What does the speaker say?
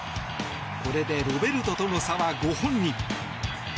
これでロベルトとの差は５本に。